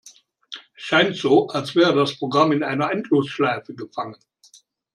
Scheint so, als wäre das Programm in einer Endlosschleife gefangen.